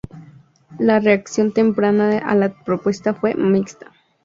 La reacción temprana a la propuesta fue mixta.